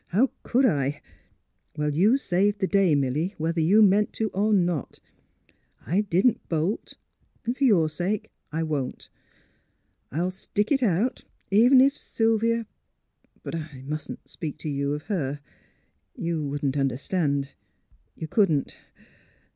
How could I"? ... "Well, you saved the day, Milly, whether you meant to, or not. I didn 't bolt ; and for your sake I won't. I'll stick it out, even if Sylvia But I mustn't speak to you of her. lYou wouldn't understand. You couldn't.